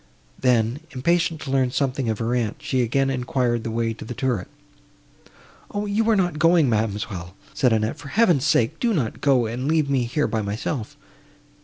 Then, impatient to learn something of her aunt, she again enquired the way to the turret. "O! you are not going, ma'amselle," said Annette, "for Heaven's sake, do not go, and leave me here by myself."